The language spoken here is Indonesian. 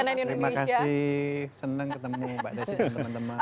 terima kasih senang ketemu mbak desi dan teman teman